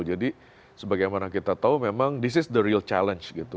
jadi sebagaimana kita tahu memang this is the real challenge gitu